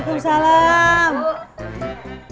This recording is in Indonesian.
pak dipanggilin sama emak